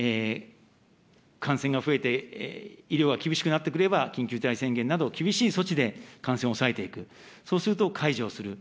感染が増えて医療は厳しくなってくれば、緊急事態宣言など、厳しい措置で感染を抑えていく、そうすると解除をする。